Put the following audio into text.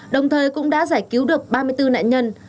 đồng thời cũng đã giải cứu được ba người đàn ông trung quốc